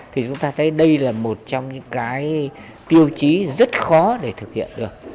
thì chúng ta thấy đây là một trong những cái tiêu chí rất khó để thực hiện được